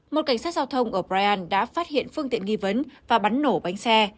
một cảnh sát giao thông ở braian đã phát hiện phương tiện nghi vấn và bắn nổ bánh xe